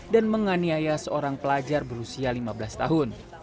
dan menganiaya seorang pelajar berusia lima belas tahun